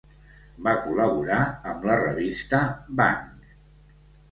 Va col·laborar amb la revista Bang!